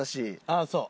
あっそう？